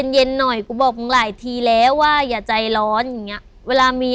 เย็นหน่อยกูบอกมึงหลายทีแล้วว่าอย่าใจร้อนอย่างเงี้ยเวลามี